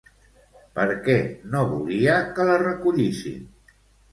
Per què no volia que la recollissin?